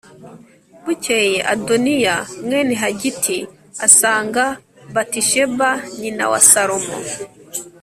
Bukeye Adoniya mwene Hagiti asanga Batisheba nyina wa Salomo.